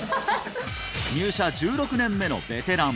入社１６年目のベテラン